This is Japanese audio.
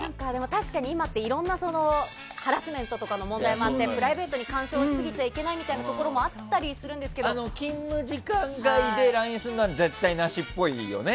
確かに今っていろんなハラスメントとかの問題もあって、プライベートに干渉しすぎちゃいけないっていう勤務時間外でＬＩＮＥするのは絶対なしっぽいよね。